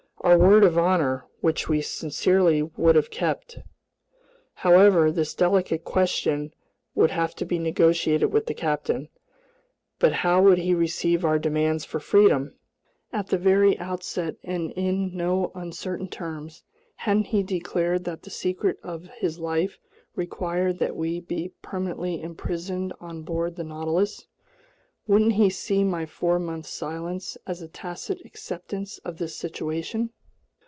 Our word of honor, which we sincerely would have kept. However, this delicate question would have to be negotiated with the captain. But how would he receive our demands for freedom? At the very outset and in no uncertain terms, hadn't he declared that the secret of his life required that we be permanently imprisoned on board the Nautilus? Wouldn't he see my four month silence as a tacit acceptance of this situation?